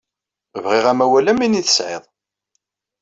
Bɣiɣ amawal am win ay tesɛiḍ.